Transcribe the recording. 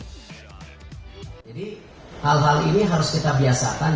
hal hal ini harus kita biasakan